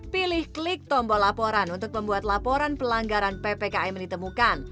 pilih klik tombol laporan untuk membuat laporan pelanggaran ppkm ditemukan